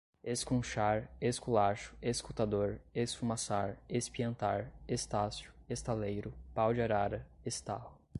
escrunchar, esculacho, escutador, esfumaçar, espiantar, estácio, estaleiro, pau de arara, estarro